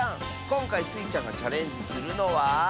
こんかいスイちゃんがチャレンジするのは？